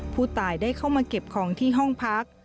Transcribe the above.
ผู้ตายได้เข้ามาเก็บของที่ห้องพัก